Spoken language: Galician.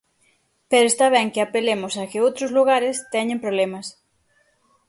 Pero está ben que apelemos a que outros lugares teñen problemas.